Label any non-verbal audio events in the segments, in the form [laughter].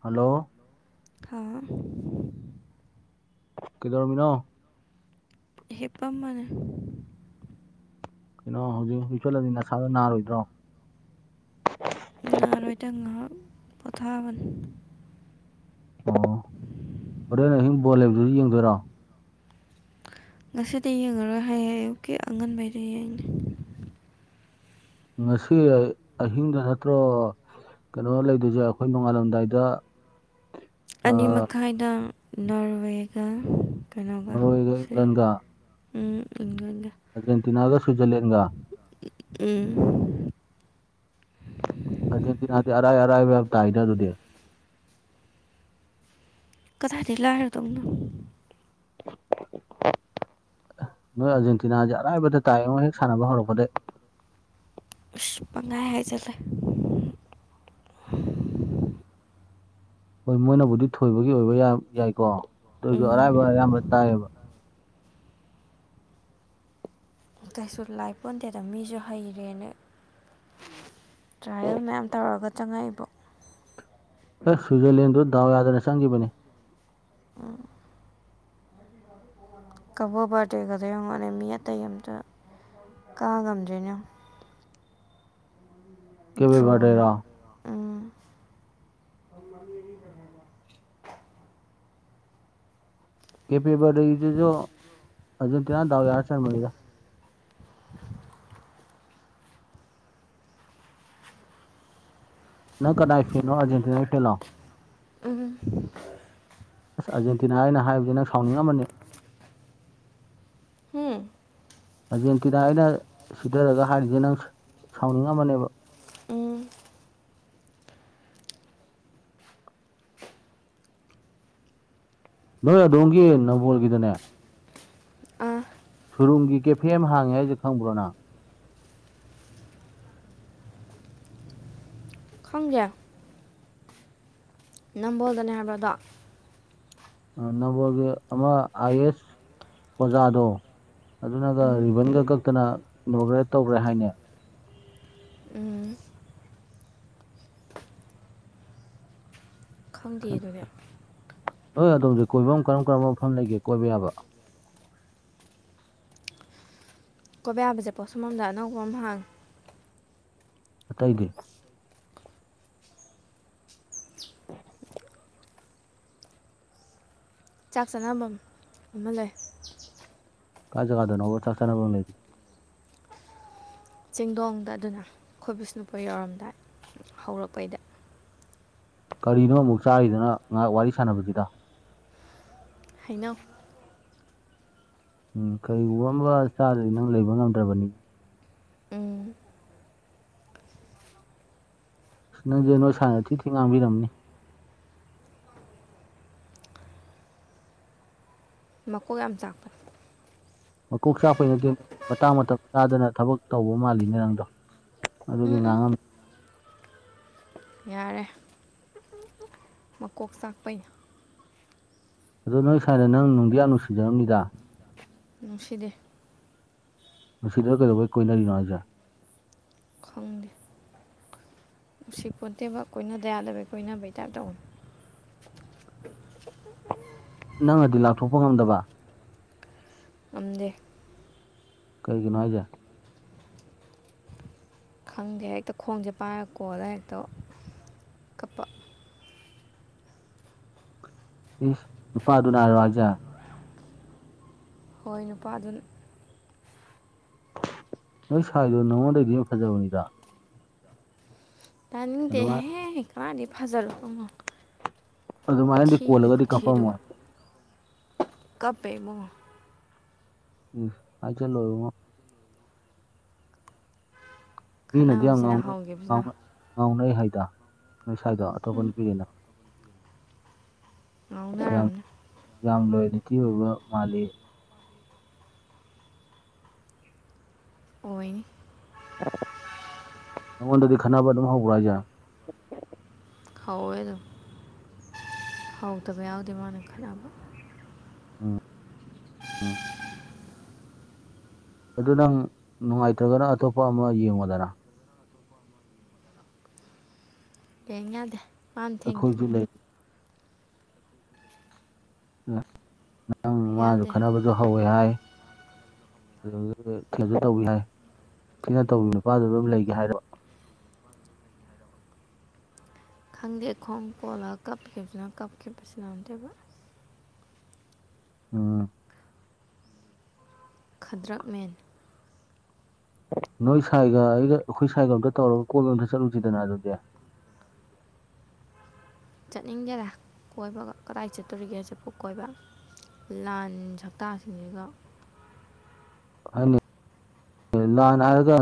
Hello. ꯍꯥꯥ꯫ ꯀꯩꯗꯩꯔꯝꯃꯤꯅꫭ꯫ ꯍꯤꯞꯄꯝꯕꯅꯦ꯫ ꯀꯩꯅꯣ ꯍꯧꯖꯤꯛ ꯍꯧꯖꯤꯛꯁꯣꯠꯂꯗꯤ ꯅꯁꯥꯗꯣ ꯅꯥꯔꯣꯏꯗ꯭ꯔꯣ ꯉꯔꯣꯏꯗ ꯉꯥꯏꯍꯥꯛ ꯄꯣꯊꯥꯕꯅꯤ ꯑꯣ ꯍꯣꯔꯦꯟ ꯑꯍꯤꯡ ꯕꯣꯂꯦꯝꯗꯨꯗꯤ ꯌꯦꯡꯗꯣꯏꯔꯣ ꯉꯁꯤꯗꯤ ꯌꯦꯡꯉꯔꯣꯏ ꯍꯥꯏꯌꯦ ꯑꯣꯀꯦ ꯑꯉꯟꯕꯩꯗꯤ ꯌꯦꯡꯅꯤ ꯉꯁꯤ ꯑꯍꯤꯡꯗ ꯅꯠꯇ꯭ꯔꯣ ꯀꯩꯅꯣ ꯂꯩꯗꯣꯏꯁꯦ ꯑꯩꯈꯣꯏ ꯅꯣꯉꯥꯜꯂꯝꯗꯥꯏꯗ [inaudible] ꯑꯅꯤ ꯃꯈꯥꯏꯗ ꯅꯣꯔꯋꯦꯒ ꯀꯩꯅꯣꯒ ꯅꯣꯔꯋꯦꯒ ꯁꯦ ꯏꯪꯂꯟꯒ ꯎꯝ ꯏꯒꯦ ꯑꯔꯖꯦꯟꯇꯤꯅꯥꯒ ꯁ꯭ꯋꯠꯖꯔꯂꯦꯟꯒ ꯎꯝ ꯑꯗꯨꯖꯤꯗꯤꯅꯥꯗꯤ ꯑꯔꯥꯏ ꯑꯔꯥꯏꯕꯔꯛ ꯇꯥꯏꯗ ꯑꯗꯨꯗꯤ ꯀꯗꯥꯏꯗꯒꯤꯩ ꯂꯥꯏꯔꯗꯧꯅꯣ ꯅꯣꯏ ꯑꯥꯔꯖꯦꯟꯇꯤꯅꯥꯁꯦ ꯑꯔꯥꯏꯕꯗ ꯇꯥꯏꯉꯣ ꯍꯦꯛ ꯁꯥꯟꯅꯕ ꯍꯧꯔꯛꯄꯗꯩ ꯎꯁ ꯄꯪꯉꯥꯏ ꯍꯥꯏꯖꯔꯦ ꯍꯣꯏ ꯃꯣꯏꯅꯕꯨꯗꯤ ꯊꯣꯏꯕꯒꯤ ꯑꯣꯏꯕ ꯌꯥꯏꯀꯣ ꯑꯗꯨ ꯑꯣꯏꯁꯨ ꯑꯔꯥꯏꯕ ꯎꯝ ꯑꯌꯥꯝꯕ ꯇꯥꯏꯌꯦꯕ ꯀꯩꯁꯨ ꯂꯥꯏ ꯄꯣꯟꯗꯦꯗ ꯃꯤꯁꯨ ꯍꯩꯔꯦꯅ ꯇ꯭ꯔꯥꯏꯌꯦꯜ ꯃꯌꯥꯝ ꯇꯧꯔꯒ ꯆꯪꯉꯛꯏꯕꯣ ꯑꯦꯁ ꯁ꯭ꯋꯤꯖꯔꯂꯦꯟꯗꯨ ꯗꯥꯎ ꯌꯥꯗꯅ ꯆꯪꯈꯤꯕꯅꯦ ꯀꯕꯣ ꯕꯔꯗꯦꯒꯗꯣ ꯌꯦꯡꯉꯣꯅꯦ ꯃꯤ ꯑꯇꯩ ꯑꯝꯇ ꯀꯥ ꯉꯝꯗꯔꯦꯅꯦ ꯗ꯭ꯔꯣ ꯀꯕꯤꯕꯔꯦꯔ ꯎꯝ ꯀꯦ ꯄꯤꯕꯔ ꯏꯗꯨꯣ ꯑꯗꯨꯟ ꯇꯅꯣ ꯌꯥꯎ ꯆꯟꯗ ꯅ ꯀꯗꯥꯏ ꯐꯤꯅꯣ ꯑꯔꯖꯦꯟꯇꯤꯅꯥꯏ ꯐꯦꯂꯣ ꯎꯝ ꯑꯁ ꯑꯥꯔꯖꯦꯟꯇꯤꯅꯥ ꯑꯩꯅ ꯍꯥꯏꯕꯗꯤ ꯅꯪ ꯁꯥꯎꯅꯤꯡꯉꯝꯃꯅꯤ ꯍꯨꯝ ꯑꯔꯖꯦꯟꯇꯤꯅꯥ ꯑꯩꯅ ꯁꯤꯊꯔꯒ ꯍꯥꯏꯔꯤꯁꯦ ꯅꯪ ꯁꯥꯎꯅꯤꯡꯉꯝꯕꯅꯦꯕ ꯎꯝ ꯅꯣꯏ ꯑꯗꯣꯝꯒꯤ ꯅꯝꯕꯣꯜꯒꯤꯗꯅꯦ ꯑ ꯁꯨꯔꯨꯡꯒꯤ ꯀꯦꯐꯦ ꯑꯃ ꯍꯥꯡꯉꯦ ꯍꯥꯏꯁꯦ ꯈꯪꯕ꯭ꯔꯣ ꯅꯪ ꯈꯪꯒ꯭ꯌꯥ ꯅꯝꯕꯣꯜꯗꯅꯦ ꯍꯥꯏꯕꯗꯣ ꯅꯝꯕꯣꯜꯒꯤ ꯑꯃ ꯑꯥꯏ ꯑꯦꯁ ꯑꯣꯖꯥꯗꯣ ꯑꯗꯨꯅꯒ ꯎꯝ ꯔꯤꯕꯟꯒ ꯀꯛꯇꯅ ꯏꯅꯣꯒ꯭ꯔꯦꯠ ꯇꯧꯈ꯭ꯔꯦ ꯍꯥꯏꯅꯦ ꯎꯝ ꯈꯪꯗꯦ ꯑꯗꯨꯅꯦ ꯍꯣꯏ ꯑꯗꯣꯝꯁꯦ ꯀꯣꯏꯕ ꯀꯔꯝ ꯀꯔꯝꯕ ꯃꯐꯝ ꯂꯩꯒꯦ ꯀꯣꯏꯕ ꯌꯥꯕ ꯀꯣꯕ ꯌꯥꯕꯁꯦ ꯄꯣꯠꯁꯨꯝꯣꯝꯗ ꯑꯅꯧꯕ ꯑꯃ ꯍꯥꯡ ꯑꯠꯇꯩꯗꯤ ꯆꯥꯛ ꯆꯥꯐꯝ ꯑꯃ ꯂꯩ ꯀꯥꯏ ꯖꯒꯥꯥꯗꯅꯣꯕ ꯆꯥꯛ ꯆꯥꯅꯕꯝ ꯂꯩ ꯆꯦꯡꯗꯣꯡꯗ ꯑꯗꯨꯅ ꯑꯩꯈꯣꯏ ꯕꯤꯁꯅꯨꯄꯨꯔ ꯌꯧꯔꯝꯗꯥꯏ ꯍꯧꯔꯛꯄꯩꯗ ꯀꯔꯤꯅꯣ ꯑꯃꯨꯛ ꯆꯥꯔꯤꯗꯅ ꯉꯥꯏꯍꯥꯛ ꯋꯥꯔꯤ ꯁꯥꯟꯅꯕꯁꯤꯗ ꯍꯩꯅꯧ ꯎꯝ ꯀꯔꯤꯒꯨꯝꯕ ꯑꯃ ꯆꯥꯗꯔꯗꯤ ꯅꯪ ꯂꯩꯕ ꯉꯝꯗ꯭ꯔꯕꯅꯤ ꯎꯝ ꯅꯪꯁꯦ ꯅꯣꯏ ꯏꯁꯅ ꯊꯤ ꯊꯤ ꯉꯥꯡꯕꯤꯔꯝꯅꯤ ꯃꯀꯣꯛ ꯌꯥꯝ ꯆꯥꯛꯄ ꯃꯀꯣꯛ ꯆꯥꯛꯄꯩꯩꯅꯗꯦꯅꯦ ꯃꯇꯥꯡ ꯃꯇꯝ ꯆꯥꯗꯅ ꯊꯕꯛ ꯇꯧꯕ ꯃꯥꯜꯂꯤꯅꯦ ꯅꯪꯗꯣ ꯑꯗꯨꯒꯤ ꯎꯝ ꯎꯝ ꯉꯥꯡꯉꯝ ꯌꯥꯔꯦ ꯃꯀꯣꯛ ꯆꯥꯛꯄꯩꯅꯦ ꯑꯗꯣ ꯅꯣꯏ ꯁ꯭ꯋꯥꯏꯗ ꯅꯪ ꯅꯨꯡꯗꯤ ꯌꯥꯝ ꯅꯨꯡꯁꯤꯖꯔꯝꯅꯤꯗ ꯅꯨꯡꯁꯤꯗꯦ ꯃꯁꯤꯗ ꯀꯩꯗꯧꯕꯩ ꯀꯣꯏꯅꯔꯤꯅꯣ ꯍꯥꯏꯁꯔꯦ ꯈꯪꯗꯦ ꯎꯆꯦꯛꯄꯣꯠꯇꯦꯕ ꯀꯣꯏꯅꯗ ꯌꯥꯗꯕꯩ ꯀꯣꯏꯅ ꯕꯩꯇꯥꯏꯞ ꯇꯧ [unintelligible] ꯅꯪꯅꯗꯤ ꯂꯥꯛꯊꯣꯛꯄ ꯉꯝꯗꯕ ꯉꯝꯗꯦ ꯀꯩꯒꯤꯅꯣ ꯍꯥꯏꯁꯦ ꯈꯪꯗꯦ ꯍꯦꯛꯇ ꯈꯣꯡꯁꯦ ꯄꯥꯏꯔꯒ ꯀꯣꯜꯂ ꯍꯦꯛꯇ ꯀꯞꯄ ꯏꯁ ꯅꯨꯄꯥꯗꯨ ꯅꯥꯔꯣ ꯍꯥꯏꯖꯦ ꯍꯣꯏ ꯅꯨꯄꯥꯗꯨ ꯅꯣꯏ ꯁꯥꯏꯗꯣ ꯅꯉꯣꯟꯗꯩꯗꯤ ꯐꯖꯕꯅꯤꯗ ꯇ ꯅꯗꯦ ꯑꯗꯨꯃꯥꯏꯅ ꯍꯦ ꯀꯥꯗꯤ ꯐꯖꯔꯣ ꯀꯃꯣ ꯑꯗꯨꯃꯥꯏꯅꯗꯤ ꯊꯤꯗꯀꯣ ꯀꯣꯜꯂꯒꯗꯤ ꯊꯗꯀ ꯀꯞꯄꯝꯃꯣꯏ ꯀꯞꯄꯦꯃꯉꯣ ꯎꯝ ꯍꯥꯌꯖꯜꯂꯣ ꯏꯕꯨꯡꯉꯣ ꯃꯤꯅꯗꯤ ꯌꯥꯝ ꯈꯠꯅꯕꯁꯤꯅ ꯉꯥꯎꯅꯩ ꯍꯧꯈꯤꯕꯁꯤꯅ ꯉꯥꯎꯅꯩ ꯍꯥꯏꯗ ꯅꯣꯏ ꯁ꯭ꯋꯥꯏꯗꯣ ꯑꯇꯣꯞꯄ ꯎꯝ ꯅꯨ ꯄꯤꯔꯤꯅ ꯌꯥꯝ ꯉꯥꯎꯅꯔꯝꯅꯤ ꯌꯥꯝ ꯂꯣꯏꯅꯇꯤ ꯑꯣꯏꯕ ꯃꯥꯜꯂꯤ ꯑꯣꯏꯅꯤ ꯅꯪꯉꯣꯟꯗꯗꯤ ꯈꯟꯅꯕ ꯑꯗꯨꯝ ꯍꯧꯕ꯭ꯔꯥ ꯍꯥꯏꯁꯦ ꯍꯥꯎꯋꯦꯗꯣ ꯍꯥꯎꯗꯕ ꯌꯥꯎꯗꯦ ꯃꯥꯅ ꯈꯜꯅꯕ ꯎꯝ ꯎꯝ ꯑꯗꯨ ꯅꯪ ꯅꯨꯡꯉꯥꯏꯇ꯭ꯔꯒꯅ ꯑꯇꯣꯞꯄ ꯑꯃ ꯌꯦꯡꯉꯣꯗꯅ ꯌꯦꯡ ꯌꯥꯗꯦ ꯃꯥꯅ ꯊꯤꯡꯉꯦ ꯑꯩꯈꯣꯏꯖꯨ ꯂꯩ ꯅꯪ ꯅꯪ ꯃꯥꯖꯨ ꯌꯥꯗꯦ ꯈꯠꯅꯕꯖꯨ ꯍꯧꯋꯦ ꯍꯥꯏ ꯑꯗꯨꯗꯒꯤ ꯊꯦꯜꯁꯨ ꯇꯧꯕꯤ ꯍꯥꯏ ꯊꯤꯅ ꯇꯧꯕꯤ ꯃꯄꯥꯗ ꯑꯗꯨꯝ ꯂꯩꯒꯦ ꯍꯥꯏꯔꯕ ꯈꯪꯗꯦ ꯈꯣꯡ ꯀꯣꯜꯂ ꯀꯞꯈꯤꯕꯁꯤꯅ ꯀꯞꯈꯤꯕꯁꯤꯅ ꯑꯃꯨꯛꯇꫭꯏꯕ ꯎꯝ ꯈꯗ꯭ꯔꯛ ꯃꯦꯟ ꯅꯣꯏ ꯁ꯭ꯥꯏꯒ ꯑꯩꯒ ꯑꯩꯈꯣꯏ ꯁ꯭ꯥꯏꯒ ꯑꯝꯇ ꯇꯧꯔꯒ ꯀꯣꯏꯕ ꯑꯝꯇ ꯆꯠꯂꯨꯖꯤꯗꯅ ꯑꯗꯨꯗꯤ ꯆꯠꯅꯤꯡꯗꯦꯗ ꯀꯣꯏꯕꯒ ꯀꯗꯥꯏ ꯆꯠꯇꯣꯔꯤꯒꯦ ꯆꯠꯄ ꯀꯣꯏꯕ ꯂꯥꯟ ꯁꯛꯇꯇꯥꯁꯤꯡꯁꯤꯒ ꯍꯥꯏꯃꯤ ꯅꯤ ꯂꯥꯟ ꯍꯥꯏꯔꯒ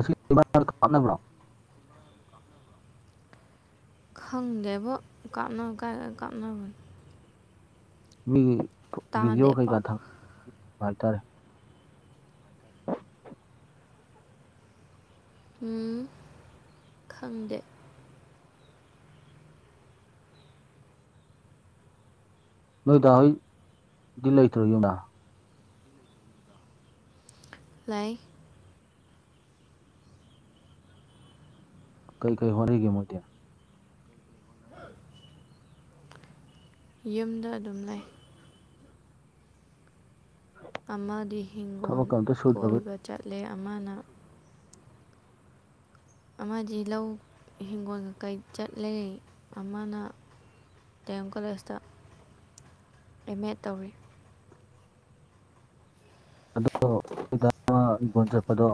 ꯀꯥꯞꯅꯕ꯭ꯔꯣ [inaudible] [unintelligible] ꯈꯪꯗꯦꯕꯣ ꯀꯥꯞꯅ ꯀꯥꯏꯗ ꯀꯥꯞꯅꯕꯅꯦ ꯃꯤꯒꯤ ꯚꯤꯗꯤꯑꯣ ꯇꯥꯗꯦ ꯄꯥꯎ ꯀꯩꯀꯥ ꯊꯪ ꯍꯥꯏꯇꯥꯔꯦ ꯎꯝ ꯈꯪꯗꯦ ꯅꯣꯏꯗ ꯍꯣꯏꯗꯤ ꯂꯩꯇ꯭ꯔ ꯌꯅꯥ ꯂꯩꯥꯏ ꯀꯩ ꯀꯩ ꯍꫭꯠꯅꯔꯤꯒꯦ ꯃꯣꯏꯗꯤ ꯌꯨꯝꯗ ꯑꯗꯨꯝ ꯂꯩ ꯑꯃꯗꯤ ꯍꯤꯡꯒꯣꯣꯟ ꯊꯕꯛꯀ ꯑꯝꯇ ꯁꯨꯗ꯭ꯔꯕ ꯀꯣꯏꯕ ꯆꯠꯂꯦ ꯑꯃꯅ ꯑꯃꯗꯤ ꯂꯧ ꯏꯤꯡꯒꯣꯜ ꯀꯩꯀꯩ ꯆꯠꯂꯦ ꯑꯃꯅ ꯇꯦꯡꯦꯝ ꯀꯜꯦꯁꯇ ꯑꯦ ꯃꯦ ꯇꯧꯔꯤ ꯑꯗꫭꯑꯃ ꯏꯟꯈꫭꯜ ꯆꯠꯄꯗꯣ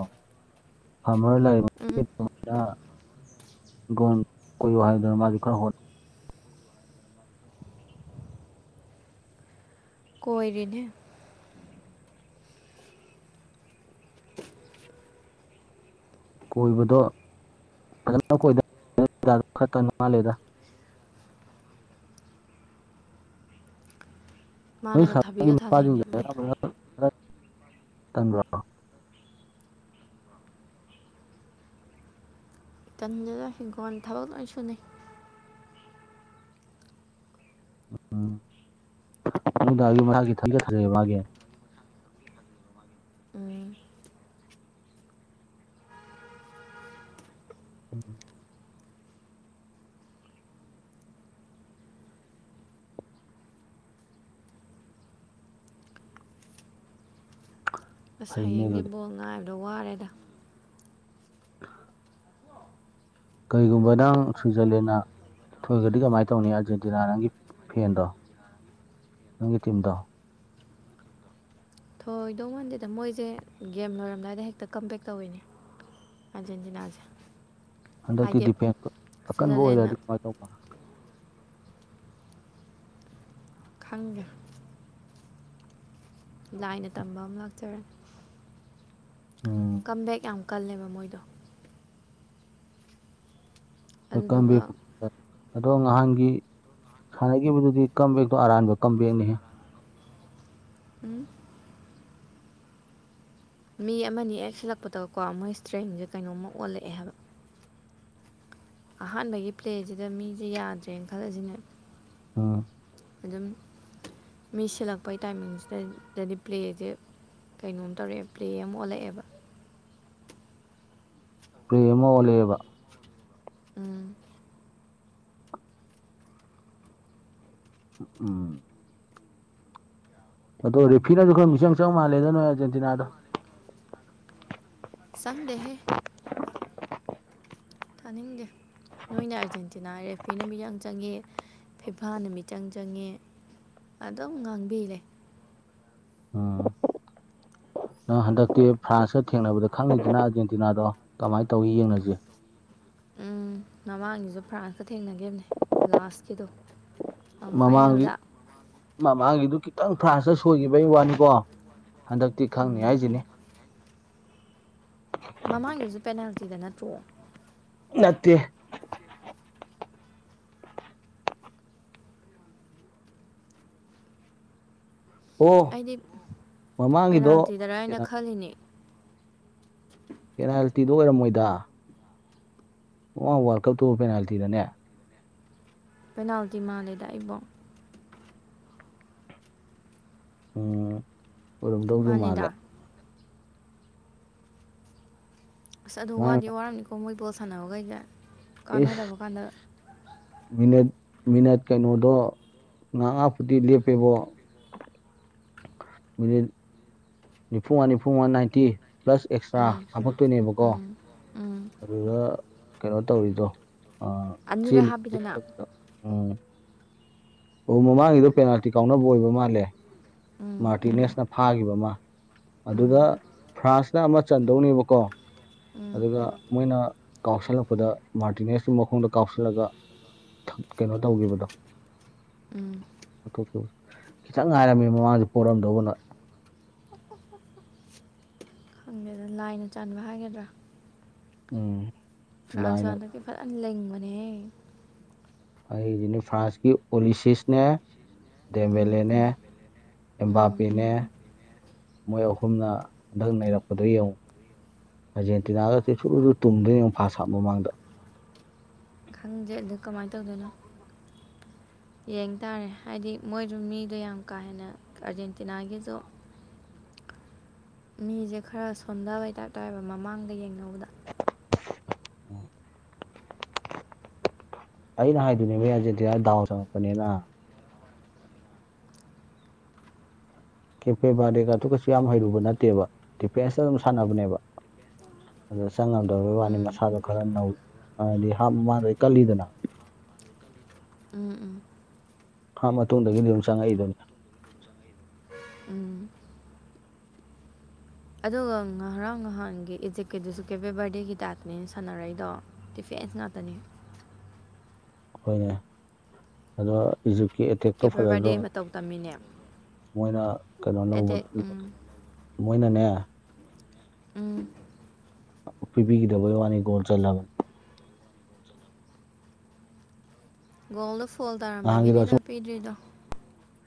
ꯐꯥꯔꯃꯔ ꯎꯝ ꯂꯥꯏꯔꯦꯟ [inaudible] ꯒꯣꯟ ꯀꯣꯏꯑꯣ ꯍꯥꯏꯌꯨꯗꯅ ꯃꯥꯁꯨ ꯈꯔ ꯍꯣꯠ ꯀꯣꯏꯔꯤꯅꯦ ꯀꯣꯏꯕꯗꯣ ꯐꯖꯅ ꯀꯣꯏ [inaudible] ꯈꯛꯇ ꯉꯥꯜꯂꯤꯗ ꯅꯣꯏ ꯃꯥꯅꯒ ꯁꯥꯒꯤ ꯊꯕꯤꯒ ꯊꯥꯖꯩꯅꯦ ꯃꯄꯥꯁꯤꯡꯁꯦ ꯃꯥꯏ ꯇꯟꯗꯦꯗ ꯍꯤꯡꯈꫭꯟ ꯊꯕꯛ ꯂꯣꯏ ꯁꯨꯅꯩ ꯎꯝ ꯎꯝ ꯄꯨꯡꯗꯥꯒꯤ ꯃꯁꯒꯤ ꯊꯥꯒꯦ ꯊꯖꯛꯑꯦ ꯃꯥꯒꯤ ꯎꯝ ꯎꯝ ꯑꯁ ꯐꯩꯅꯦ ꯍꯌꯦꯡꯗꯤ ꯑꯗꯨꯗꯤ ꯕꯣꯜ ꯉꯥꯏꯕꯗ ꯋꯥꯔꯦꯗ ꯀꯩꯒꯨꯝꯕ ꯅꯪ ꯁ꯭ꯋꯨꯏꯖꯔꯂꯦꯟꯅ ꯊꯣꯏꯕꯗꯤ ꯀꯃꯥꯏ ꯇꯧꯅꯤ ꯑꯥꯔꯖꯦꯟꯇꯤꯅꯥ ꯅꯪꯒꯤ ꯐꯦꯟꯗꯣ ꯅꯪꯒꯤ ꯇꯤꯝꯗꯣ ꯊꯣꯏꯗꯧ ꯃꯥꯟꯗꯦꯗ ꯃꯣꯏꯖꯦ ꯒꯦꯝ ꯂꯣꯏꯔꯝꯗꯥꯏꯗ ꯍꯦꯛꯇ ꯀꯝꯕꯦꯛ ꯇꯧꯋꯤꯅꯦ ꯑꯖꯦꯟꯖꯤꯅꯥꯖ ꯍꯟꯗꯛꯇꯤ ꯗꯤꯐꯦꯟꯁꯇꯨ ꯑꯀꯟꯕ ꯁ꯭ꯋꯤꯖꯔꯂꯦꯟꯅ ꯑꯣꯏꯔꯛꯑꯗꯤ ꯄꯥꯁ‌ ꯇꯧ ꯈꯪꯗꯦ ꯂꯥꯏꯅ ꯇꯝꯕ ꯑꯃ ꯂꯥꯛꯆꯔꯅꯤ ꯑꯣ ꯀꯝꯕꯦꯛ ꯌꯥꯝ ꯀꯜꯂꯦꯕ ꯃꯣꯏꯗꯣ ꯍ ꯀꯕꯤ ꯑꯗꯨꯗꯨꯒ ꯑꯗꯣ ꯅꯍꯥꯟꯒꯤ ꯁꯥꯟꯅꯈꯤꯕꯗꯨꯗꯤ ꯀꯝꯕꯦꯛꯇꯣ ꯑꯔꯥꯟꯕ ꯀꯝꯕꯦꯛꯅꯤ ꯎꯝ ꯃꯤ ꯑꯃꯅꯤ ꯍꯛ ꯁꯤꯜꯂꯛꯄꯗꯀꯣ ꯃꯣꯏ ꯏꯁꯇ꯭ꯔꯦꯟꯁꯦ ꯀꯩꯅꯣꯝꯃ ꯑꯣꯜꯂꯛꯑꯦ ꯍꯥꯏꯕ ꯑꯍꯥꯟꯕꯒꯤ ꯄ꯭ꯂꯦꯁꯤꯗ ꯃꯤꯁꯦ ꯌꯥꯗ꯭ꯔꯦꯅ ꯈꯜꯂꯁꯤꯅꯦ ꯑꯥ ꯑꯗꯨꯝ ꯃꯤ ꯁꯤꯜꯂꯛꯄꯩ ꯇꯥꯏꯃꯤꯡꯁꯤꯗꯗꯗꯤ ꯄ꯭ꯂꯦꯖꯦ ꯀꯩꯅꯣꯝ ꯇꯧꯔꯛꯑꯦ ꯄ꯭ꯂꯦ ꯑꯃ ꯑꯣꯜꯂꯛꯑꯦꯕ ꯄ꯭ꯂꯦ ꯑꯃ ꯑꯣꯜꯂꯛꯑꯦꯕ ꯑ ꯎ ꯎꯝ ꯑꯗꯣ ꯔꯦꯐꯤꯅꯁꯨ ꯈꯔ ꯃꯤꯆꯪ ꯆꯪ ꯃ ꯃꯥꯜꯂꯦꯗ ꯅꯣꯏ ꯑꯔꯖꯦꯟꯇꯤꯅꯥꯣ ꯆꯪꯗꯦꯍꯦ ꯊꯥꯅꯤꯡꯗꯦ ꯅꯣꯏꯅ ꯑꯥꯔꯖꯦꯟꯇꯤꯅꯥ ꯔꯦꯐ꯭ꯔꯤꯅ ꯃꯤꯠꯌꯦꯡ ꯆꯪꯉꯦ ꯐꯤꯐꯥꯅ ꯃꯤꯆꯪ ꯆꯪꯉꯦ ꯑꯗꯨꯝ ꯉꯥꯡꯕꯤꯂꯩ ꯎꯝ ꯅꯪ ꯍꯟꯗꯛꯇꯤ ꯐ꯭ꯔꯥꯟꯁꯀ ꯊꯦꯡꯅꯕꯗ ꯈꯪꯉꯅꯤꯗꯅ ꯑꯥꯔꯖꯦꯟꯇꯤꯅꯥꯗꯣ ꯀꯃꯥꯏ ꯇꯧꯋꯤ ꯌꯦꯡꯅꯖꯤ ꯎꯝ ꯃꯃꯥꯡꯒꯤꯁꯨ ꯐ꯭ꯔꯥꯟꯁꯀ ꯊꯦꯡꯅꯈꯤꯕꯅꯦ ꯂꯥꯁꯀꯤꯗꯣ ꯃꯃꯥꯡꯒꯤ ꯐꯥꯏꯅꯦꯜꯗ ꯃꯃꯥꯡꯒꯤꯗꯨ ꯈꯤꯇꯪ ꯐ꯭ꯔꯥꯟꯁꯇ ꯁꯣꯏꯈꯤꯕꯒꯤ ꯋꯥꯅꯤꯀꯣ ꯍꯟꯗꯛ ꯇꯤ ꯈꯪꯅꯤ ꯎꯝ ꯍꯥꯏꯁꯤꯅꯤ ꯃꯃꯥꯡꯒꯤꯁꯨ ꯄꯦꯅꯥꯜꯇꯤꯗ ꯅꯠꯇ꯭ꯔꯣ ꯅꯠꯇꯦ ꯑꯣ ꯑꯩꯗꯤ ꯃꯃꯥꯡꯒꯤꯗꯣ ꯄꯦꯅꯥꯜꯇꯤꯗꯔ ꯍꯥꯏꯅ ꯈꯜꯂꯤꯅꯤ ꯄꯦꯅꯥꯜꯇꯤꯗꯣ ꯑꯣꯏꯔꯝꯃꯣꯏꯗ ꯑꯣ ꯋꯥꯜ ꯀꯞꯇꯨꯕꯨ ꯄꯦꯅꯥꯜꯇꯤꯔꯅꯦ ꯄꯦꯅꯥꯜꯇꯤ ꯃꯥꯜꯂꯤꯗ ꯑꯩꯕꯣ ꯎꯝ ꯑꯣꯏꯔꯝ ꯇꯧꯁꯨ ꯃꯥꯜꯂ ꯃꯥꯅꯤꯗ ꯑꯁ ꯑꯗꯨ ꯃꯥꯅ ꯋꯥꯗꯤ ꯋꯥꯔꯝꯅꯤꯀꯣ ꯃꯣꯏ ꯕꯣꯜ ꯁꯥꯟꯅꯕꯈꯩꯗ ꯏꯁ ꯀꯥꯟꯅꯗꯕ ꯀꯥꯟꯗ ꯃꯤꯅꯠ ꯃꯤꯅꯠ ꯀꯩꯅꯣꯗꯣ ꯃꯪꯉꯥ ꯐꯨꯗꯤ ꯂꯦꯞꯄꯦꯕꯣ ꯃꯗꯤ ꯅꯤꯐꯨ ꯃꯪꯉ ꯅꯤꯐꯨ ꯃꯪꯉ ꯅꯥꯏꯟꯇꯤ ꯄ꯭ꯂꯁ ꯑꯦꯛꯁꯇ꯭ꯔꯥ ꯎꯝ ꯍꯥꯞꯄꯛꯇꯣꯏꯅꯦꯕꯀꯣ ꯎꯝ ꯎꯝ ꯑꯗꯨꯗ ꯀꯩꯅꯣ ꯇꯧꯔꯤꯗꯣ ꯑꯅꯤꯔꯛ ꯆꯦꯜꯂꯤ ꯍꯥꯞꯄꯤꯗꯅ ꯎꯝ ꯑꯣ ꯃꯃꯥꯡꯒꯤꯗꯨ ꯄꯦꯅꯥꯜꯇꯤ ꯀꯥꯎꯅꯕ ꯑꯣꯏꯕ ꯃꯥꯜꯂꯦ ꯎꯝ ꯃꯥꯔꯇꯤꯅꯦꯁꯅ ꯐꯥꯒꯤꯕ ꯑꯃ ꯎꯝ ꯑꯗꯨꯗ ꯐ꯭ꯔꯥꯟꯁꯅ ꯑꯃ ꯆꯟꯗꯧꯅꯦꯕꯀꯣ ꯎꯝ ꯑꯗꯨꯒ ꯃꯣꯏꯅ ꯀꯥꯎꯁꯤꯜꯂꯛꯄꯗ ꯃꯥꯔꯇꯤꯅꯦꯁꯀꯤ ꯃꯈꯣꯡꯗ ꯀꯥꯎꯁꯤꯜꯂꯒ ꯀꯩꯅꯣ ꯇꯧꯒꯤꯕꯗꯣ ꯎꯝ ꯈꯤꯇꯪ ꯉꯥꯏꯔꯝꯅꯦ ꯃꯃꯥꯡꯖꯨ ꯄꯣꯔꯝꯗꯧꯕ ꯅꫭꯏ ꯍꯪꯒꯦꯗ ꯂꯥꯏꯅ ꯆꯥꯟꯕ ꯍꯥꯏꯒꯗ꯭ꯔꯥ ꯎꯝ ꯂꯥꯏꯅ ꯐ꯭ꯔꯥꯟꯁꯀꯥꯟꯗꯗꯤ ꯐꯖꯅ ꯂꯦꯡꯕꯅꯦꯍ ꯑꯩꯒꯤꯅꯤ ꯐ꯭ꯔꯥꯟꯁꯀꯤ ꯑꯣꯂꯤꯁꯤꯁꯅꯦ ꯎꯝ ꯗꯦꯃꯦꯜꯂꯦꯅꯦ ꯎꯝ ꯑꯦꯝꯕꯥꯞꯄꯦꯅꯦ ꯃꯣꯏ ꯑꯍꯨꯝꯅ ꯍꯟꯗꯛ ꯅꯩꯔꯛꯄꯗꯨ ꯌꯦꯡꯉꯨ ꯑꯥꯔꯖꯦꯟꯇꯤꯅꯥꯒꯁꯤ ꯁꯨꯔꯨꯁꯨꯔꯨ ꯇꯨꯝꯗꯣꯏꯅꯦ ꯌꯦꯡꯉꯨ ꯐꯥꯁ ꯍꯥꯞ ꯃꯃꯥꯡꯗ ꯈꯪꯗꯦ ꯑꯗ ꯀꯃꯥꯏꯅ ꯇꯧꯗꯣꯏꯅꯣ ꯌꯦꯡ ꯇꯥꯔꯦ ꯍꯥꯏꯗꯤ ꯃꯣꯏꯗ ꯃꯤꯗꯣ ꯌꯥꯝ ꯀꯥ ꯍꯦꯟꯅ ꯑꯥꯔꯖꯦꯟꯇꯤꯅꯥꯒꯤꯁꯨ ꯃꯤꯖꯦ ꯈꯔ ꯁꯣꯟꯗꯕꯩ ꯇꯥꯞ ꯇꯧꯋꯦꯕ ꯃꯃꯥꯡꯗꯩ ꯌꯦꯡꯅꯧꯕꯗ ꯑꯩꯅ ꯍꯥꯏꯗꯣꯏꯅꯦꯕ ꯍꯧꯖꯦꯗꯤꯌꯥ ꯗꯥꯎ ꯆꯪꯉꯛꯄꯅꯤꯅ ꯀꯦꯐꯦ ꯕꯥꯔꯗꯦꯒ ꯑꯗꯨ ꯀꯩꯁꯨ ꯌꯥꯝ ꯍꯩꯔꯨꯕ ꯅꯠꯇꯦꯕ ꯗꯆꯐꯦꯁꯟꯇ ꯑꯗꯨꯝ ꯁꯥꯟꯅꯕꯅꯦꯕ ꯑꯗꯨꯗ ꯆꯪꯉꯝꯗꯕꯩ ꯋꯥꯅꯤ ꯎꯝ ꯃꯁꯥꯗꯣ ꯈꯔ ꯅꯧ ꯍꯥꯏꯗꯤ ꯃꯥꯗꯩ ꯀꯜꯂꯤꯗꯅ ꯎꯝ ꯎꯝ ꯍꯥꯞ ꯃꯇꯨꯡꯗꯒꯤꯗꯤ ꯑꯗꯨꯝ ꯆꯪꯉꯛꯏꯗꯨꯅꯤ ꯎꯝ ꯑꯗꯨꯒ ꯉꯔꯥꯡ ꯅꯍꯥꯟꯒꯤ ꯏꯖꯤꯞꯀꯤꯗꯨꯁꯨ ꯀꯦꯄꯦ ꯕꯥꯔꯗꯦꯒꯤ ꯇꯥꯏꯞꯅꯦ ꯁꯥꯟꯅꯔꯛꯏꯗꯣ ꯗꯤ ꯐꯦꯟꯁ ꯉꯥꯛꯇꯅꯦ ꯍꯣꯏꯅꯦ ꯑꯗꯣ ꯏꯖꯤꯞꯀꯤ ꯑꯦꯇꯦꯛꯇꯣ ꯀꯦꯄꯦ ꯐꯖꯗ꯭ꯔꯣ ꯕꯔꯗꯦ ꯃꯇꯧ ꯇꯝꯃꯤꯅꯦ ꯃꯣꯏꯅ ꯀꯩꯅꯣ ꯂꯧꯕ ꯑꯦꯇꯦꯛ ꯎꯝ ꯃꯣꯏꯅꯅꯦ ꯎꯝ ꯄꯤꯕꯤꯒꯤꯗꯕꯩ ꯋꯥꯅꯤ ꯒꯣꯜ ꯆꯜꯂꯕꯅꯦ ꯒꯣꯜꯗ ꯐꯣꯜ ꯅꯍꯥꯟꯒꯤꯗꯣ ꯇꯥꯔꯝꯕꯒꯤꯅꯤꯗ ꯄꯤꯗ꯭ꯔꯤꯗꯣ